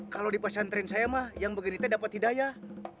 kalau di pasantren saya mah yang beginitah dapat hidayah